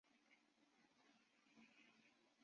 莱斯坎。